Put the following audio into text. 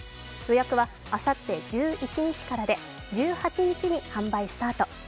予約はあさって１１日からで１８日に販売スタート。